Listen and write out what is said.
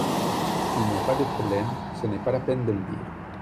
S’il n’y a pas de problème ce n’est pas la peine de le dire.